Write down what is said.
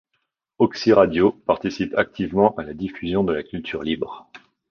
OxyRadio participe activement à la diffusion de la Culture Libre.